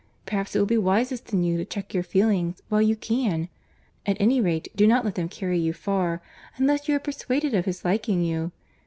Perhaps it will be wisest in you to check your feelings while you can: at any rate do not let them carry you far, unless you are persuaded of his liking you.